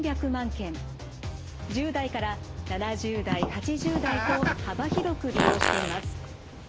１０代から７０代８０代と幅広く利用しています。